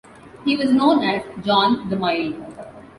He was known as "John the Mild".